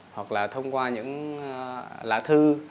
hoặc là thông qua những lá thư